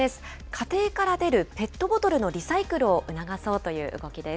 家庭から出るペットボトルのリサイクルを促そうという動きです。